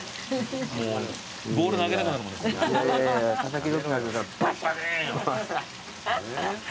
もうボール投げたくなるもんね。